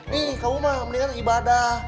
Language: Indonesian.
nih kamu mah mendingan ibadah